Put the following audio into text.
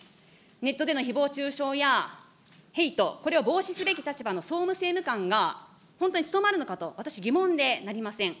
ネットでのひぼう中傷や、ヘイト、これを防止すべき立場の総務政務官が、本当に務まるのかと、私疑問でなりません。